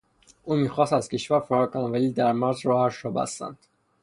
او میخواست از کشور فرار کند ولی در مرز راهش را بستند.